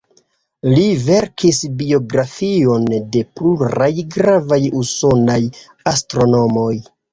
Li verkis biografiojn de pluraj gravaj usonaj astronomoj.